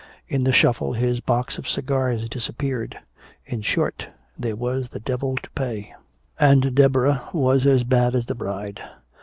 In the shuffle his box of cigars disappeared. In short, there was the devil to pay! And Deborah, was as bad as the bride.